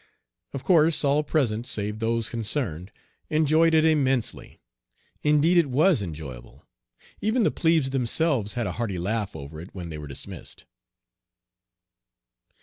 Of course all present, save those concerned, enjoyed it immensely. Indeed it was enjoyable. Even the plebes themselves had a hearty laugh over it when they were dismissed.